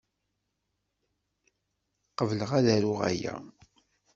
Qebleɣ ad aruɣ aya?